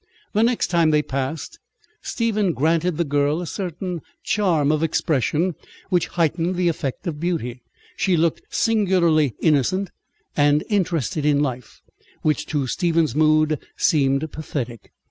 The next time they passed, Stephen granted the girl a certain charm of expression which heightened the effect of beauty. She looked singularly innocent and interested in life, which to Stephen's mood seemed pathetic.